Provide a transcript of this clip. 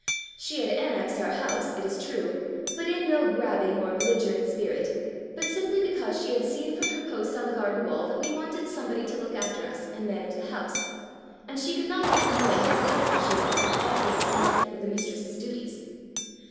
She had annexed our house, it is true, but in no grabbing or belliger ent spirit, but simply because she had seen from her post on the garden wall that we wanted somebody to look after us and manage the house, and she could not help knowing how wonderful she was in all things connected with a mistress's duties.